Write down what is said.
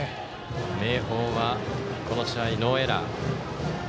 明豊はこの試合ノーエラー。